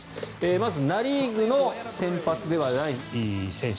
まずナ・リーグの先発ではない選手